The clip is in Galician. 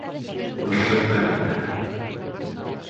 Retranca.